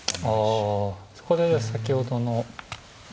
あそこで先ほどの。